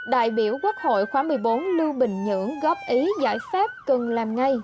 đại biểu quốc hội khóa một mươi bốn lưu bình nhưỡng góp ý giải pháp cần làm ngay